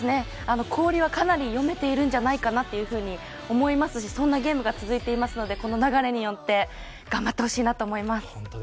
氷はかなり読めているんじゃないかなと思いますしそんなゲームが続いていますので、この流れに乗って頑張ってほしいなと思います。